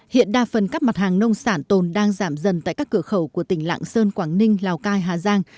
hiện đa phần các mặt hàng nông sản tồn đang giảm dần tại các cửa khẩu của tỉnh lạng sơn quảng ninh lào cai hà giang